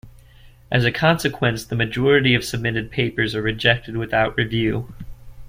As a consequence, the majority of submitted papers are rejected without review.